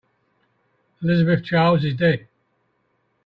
Elizabeth Charles is dead.